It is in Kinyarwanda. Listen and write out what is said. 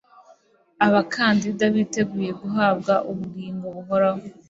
abakandida biteguye guhabwa ubugingo buhoraho